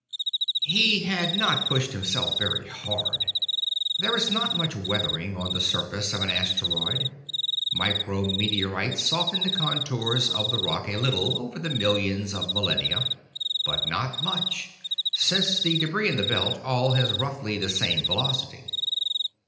He had not pushed himself very hard. There is not much weathering on the surface of an asteroid. Micro meteorites soften the contours of the rock a little over the millions of millennia, but not much, since the debris in the Belt all has roughly the same velocity.